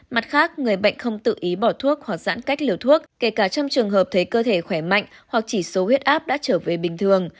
mặt khác người bệnh không tự ý bỏ thuốc hoặc giãn cách liều thuốc kể cả trong trường hợp thấy cơ thể khỏe mạnh hoặc chỉ số huyết áp đã trở về bình thường